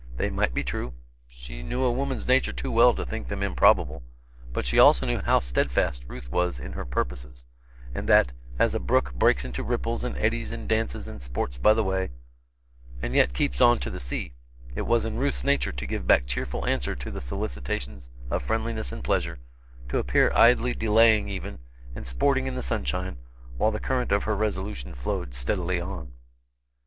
They might be true; she knew a woman's nature too well to think them improbable, but she also knew how steadfast Ruth was in her purposes, and that, as a brook breaks into ripples and eddies and dances and sports by the way, and yet keeps on to the sea, it was in Ruth's nature to give back cheerful answer to the solicitations of friendliness and pleasure, to appear idly delaying even, and sporting in the sunshine, while the current of her resolution flowed steadily on.